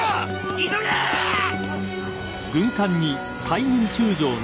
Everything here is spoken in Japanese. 急げーっ！